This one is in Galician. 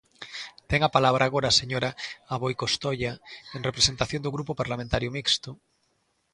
Ten a palabra agora a señora Aboi Costoia, en representación do Grupo Parlamentario Mixto.